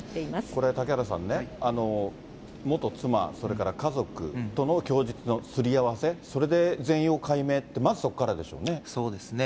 これ、嵩原さんね、元妻、それから家族との供述のすり合わせ、それで全容解明って、まず、そこからでしょうね。